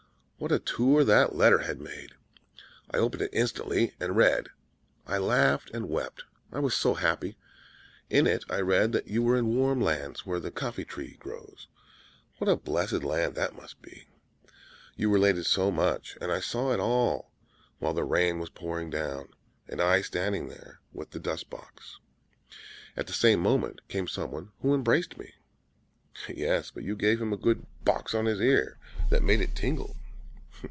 What a tour that letter had made! I opened it instantly and read: I laughed and wept. I was so happy. In it I read that you were in warm lands where the coffee tree grows. What a blessed land that must be! You related so much, and I saw it all the while the rain was pouring down, and I standing there with the dust box. At the same moment came someone who embraced me.' "'Yes; but you gave him a good box on his ear that made it tingle!'